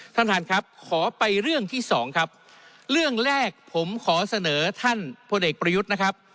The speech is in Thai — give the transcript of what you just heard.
ท่านท่านครับขอไปเรื่องที่สองครับเรื่องแรกผมขอเสนอท่านพลเอกประยุทธ์นะครับ